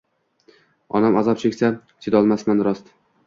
Onam azob cheksa chidolmasman rost